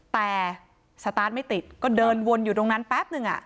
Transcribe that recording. แต่สตาร์ทไม่ติดก็เดินวนอยู่ตรงนั้นแป๊บนึง